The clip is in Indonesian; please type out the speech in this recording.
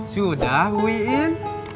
sudah bu iin